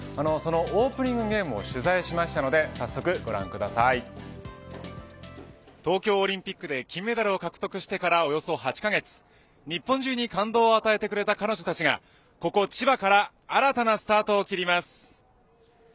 そのオープニングゲームを取材しましたので東京オリンピックで金メダルを獲得してから、およそ８カ月日本中に感動を与えてくれた彼女たちがここ、千葉から新たなスタートを切ります。